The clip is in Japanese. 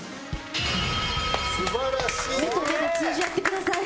目と目で通じ合ってください。